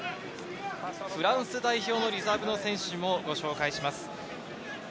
フランス代表のリザーブの選手もご紹介します。